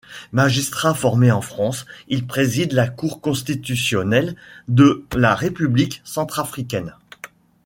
Magistrat formé en France, il préside la cour constitutionnelle de la République centrafricaine.